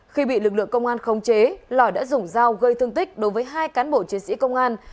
khi bị lực lượng công an khống chế lòi đã dùng dao gây thương tích đối với hai cán bộ chiến sĩ công an